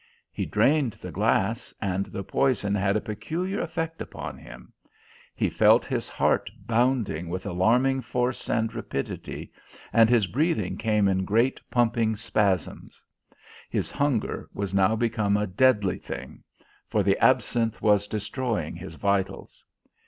He drained the glass, and the poison had a peculiar effect upon him; he felt his heart bounding with alarming force and rapidity, and his breathing came in great, pumping spasms. His hunger was now become a deadly thing, for the absinthe was destroying his vitals.